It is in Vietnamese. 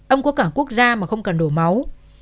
ông có cả quốc gia mà không cần đổ máu